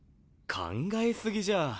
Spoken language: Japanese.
考え過ぎじゃあ。